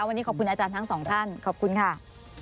วันนี้ขอบคุณอาจารย์ทั้งสองท่านขอบคุณค่ะ